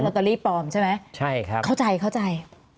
เราจะรีบปลอมใช่ไหมใช่ครับเข้าใจ